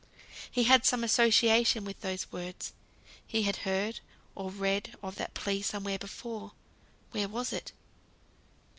He had some association with those words; he had heard, or read of that plea somewhere before. Where was it?